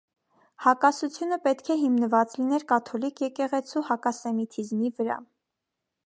Հակասությունը պետք է հիմնված լիներ կաթոլիկ եկեղեցու հակասեմիթիզմի վրա։